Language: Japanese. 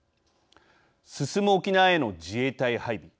進む沖縄への自衛隊配備。